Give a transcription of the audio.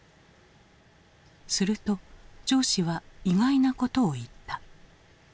すると上司は意外なことを言った。